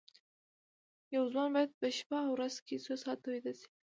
یو ځوان باید په شپه او ورځ کې څو ساعته ویده شي